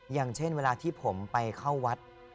อย่างเช่นเวลาที่ผมไปเข้าวัด